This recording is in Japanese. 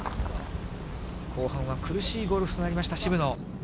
後半は苦しいゴルフとなりました、渋野。